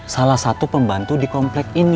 salah satu pembantu di komplek ini